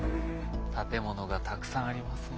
建物がたくさんありますね。